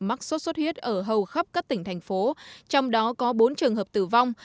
mắc sốt xuất huyết ở hầu khắp các tỉnh thành phố trong đó có bốn trường hợp tử vong